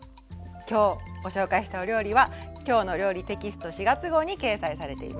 今日ご紹介したお料理は「きょうの料理」テキスト４月号に掲載されています。